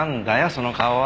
その顔は。